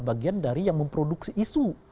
bagian dari yang memproduksi isu